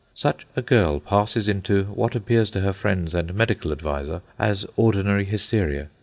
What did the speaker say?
Such a girl passes into what appears to her friends and medical adviser as ordinary hysteria.